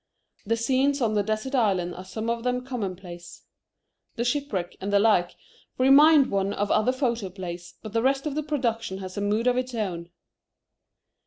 The scenes on the desert island are some of them commonplace. The shipwreck and the like remind one of other photoplays, but the rest of the production has a mood of its own.